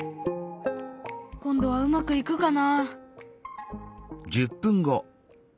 今度はうまくいくかな？